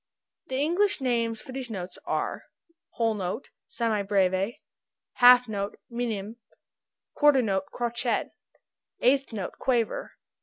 The English names for these notes are: Whole note semi breve. Half note minim. Quarter note crotchet. Eighth note quaver.